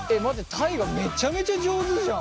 大我めちゃめちゃ上手じゃん。